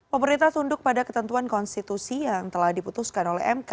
pemerintah tunduk pada ketentuan konstitusi yang telah diputuskan oleh mk